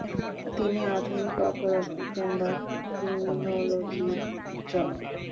তিনি আধুনিক অপরাধ বিজ্ঞান বা ক্রিমিনোলোজির জনক।